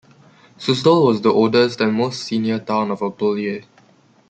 Suzdal was the oldest and most senior town of Opolye.